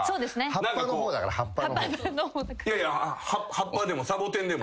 葉っぱでもサボテンでも。